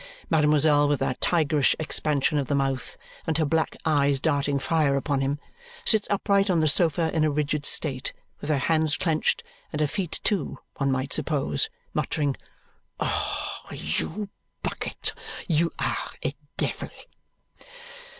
Mademoiselle, with that tigerish expansion of the mouth and her black eyes darting fire upon him, sits upright on the sofa in a rigid state, with her hands clenched and her feet too, one might suppose muttering, "Oh, you Bucket, you are a devil!"